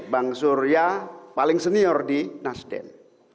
bang surya paling senior di nasdem